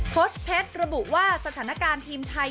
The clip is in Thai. โพสต์เพชรระบุว่าสถานการณ์ทีมไทย